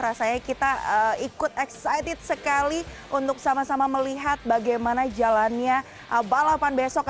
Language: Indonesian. rasanya kita ikut excited sekali untuk sama sama melihat bagaimana jalannya balapan besok